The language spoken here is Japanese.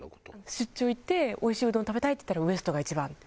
出張行っておいしいうどんを食べたいって言ったらウエストが一番って。